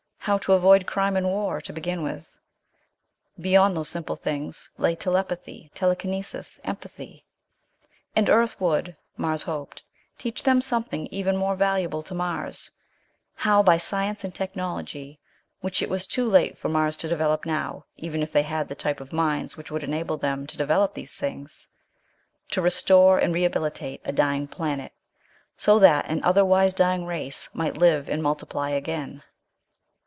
How to avoid crime and war to begin with. Beyond those simple things lay telepathy, telekinesis, empathy.... And Earth would, Mars hoped, teach them something even more valuable to Mars: how, by science and technology which it was too late for Mars to develop now, even if they had the type of minds which would enable them to develop these things to restore and rehabilitate a dying planet, so that an otherwise dying race might live and multiply again.